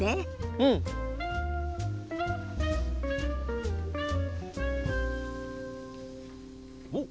うん！おっ！